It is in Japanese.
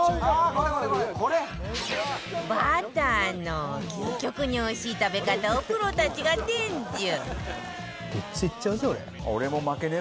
バターの究極においしい食べ方をプロたちが伝授